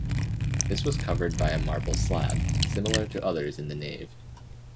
This was covered by a marble slab, similar to others in the nave.